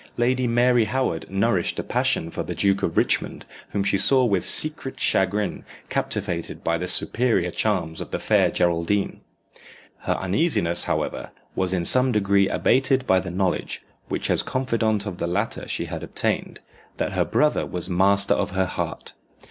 Lady Mary Howard nourished a passion for the Duke of Richmond, whom she saw with secret chagrin captivated by the superior charms of the Fair Geraldine. Her uneasiness, however, was in some degree abated by the knowledge, which as confidante of the latter she had obtained, that her brother was master of her heart.